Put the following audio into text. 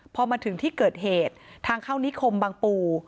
พอมาถึงที่เกิดเหตุทางเข้านิคมบางปู